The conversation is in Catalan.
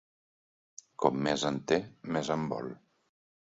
Com més en té més en vol.